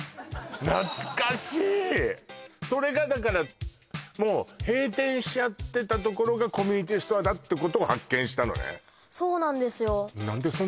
懐かしいそれがだからもう閉店しちゃってたところがコミュニティ・ストアだってことを発見したのねそうなんですよ